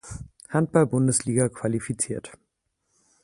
Handball Bundesliga qualifiziert.